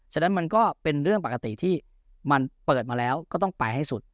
ฉะนั้นมันก็เป็นเรื่องปกติที่มันเปิดมาแล้วก็ต้องไปให้สุด